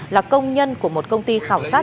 là công nhân của một công ty khảo sát